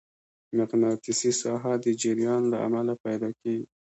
مقناطیسي ساحه د جریان له امله پیدا کېږي.